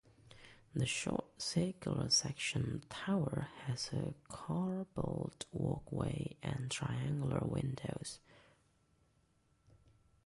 The short circular-section tower has a corbelled walkway and triangular windows.